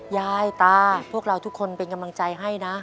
ยายตาพวกเราทุกคนเป็นกำลังใจให้นะ